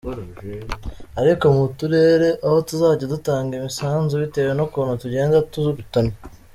Ariko mu turere ho tuzajya dutanga imisanzu bitewe n’ukuntu tugenda turutanwa.